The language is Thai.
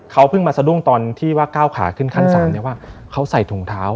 เขาเพิ่งมาสะดุ้งตอนที่ว่าก้าวขาขึ้นขั้น๓เนี่ยว่าเขาใส่ถุงเท้า